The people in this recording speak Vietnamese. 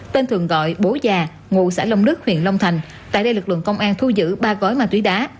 tên thường gọi bố già ngụ xã long đức huyện long thành tại đây lực lượng công an thu giữ ba gói ma túy đá